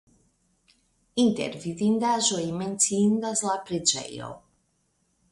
Inter vidindaĵoj menciindas la preĝejo.